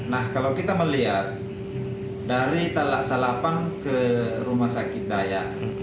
nah kalau kita melihat dari talaksalapang ke rumah sakit daya